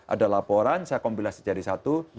ada laporan saya kombinasi jadi satu